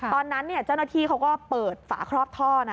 ตอนนั้นจ้านน้อที่ก็เปิดฝากรอบท่อ